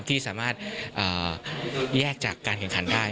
ที่สามารถแยกจากการแข่งขันได้